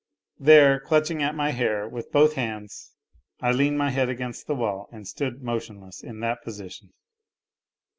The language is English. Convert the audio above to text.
There, clutching at my 144 NOTES FROM UNDERGROUND hair with both hands, I leaned my head against the wall and stood motionless in that position.